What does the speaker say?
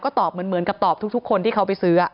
ก็ตอบเหมือนกับตอบทุกคนที่เขาไปซื้อ